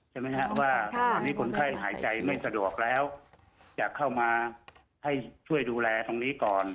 ใช่ไหมฮะว่าตอนนี้คนไข้หายใจไม่สะดวกแล้วจะเข้ามาให้ช่วยดูแลตรงนี้ก่อน